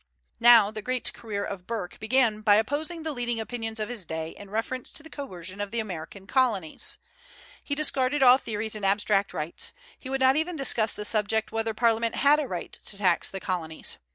Now, the great career of Burke began by opposing the leading opinions of his day in reference to the coercion of the American colonies. He discarded all theories and abstract rights. He would not even discuss the subject whether Parliament had a right to tax the colonies.